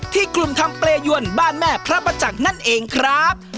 ที่กลุ่มทำเปรยวนบ้านแม่พระประจักษ์นั่นเองครับ